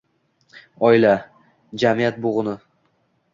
Oila – jamiyat bo‘g‘ini.